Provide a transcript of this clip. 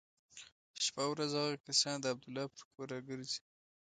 شپه او ورځ هغه کسان د عبدالله پر کور را ګرځي.